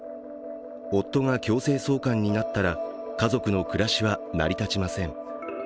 夫が強制送還になったら家族の暮らしは成り立ちません。